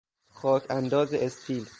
خاک انداز استیل